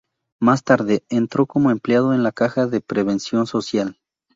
Más tarde entró como empleado en la Caja de Previsión Social.